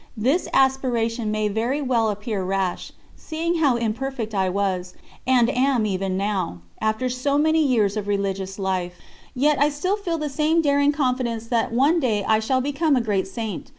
This aspiration may very well appear rash, seeing how imperfect I was, and am, even now, after so many years of religious life; yet I still feel the same daring confidence that one day I shall become a great Saint.